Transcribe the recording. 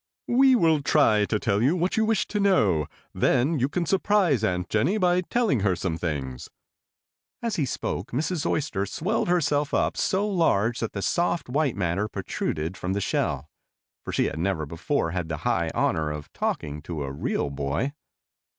"We will try to tell you what you wish to know. Then you can surprise Aunt Jennie by telling her some things." As he spoke Mrs. Oyster swelled herself up so large that the soft white matter protruded from the shell; for she had never before had the high honor of talking to a real boy.